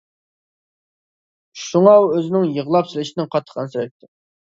شۇڭا ئۇ ئۆزىنىڭ يىغلاپ سېلىشىدىن قاتتىق ئەنسىرەيتتى.